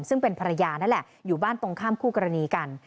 ซึ่งเป็นภรรยานั่นแหละอยู่บ้านตรงข้ามคู่กรณีกัน